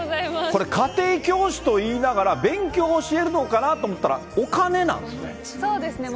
これ、家庭教師と言いながら、勉強を教えるのかな？と思ったら、お金なんですね。